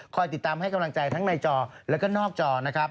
ติดตามให้กำลังใจทั้งในจอแล้วก็นอกจอนะครับ